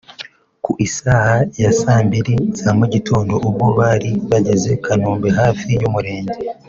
Ku isaha ya saa mbiri za mugitondo ubwo bari bageze Kanombe hafi y'umurenge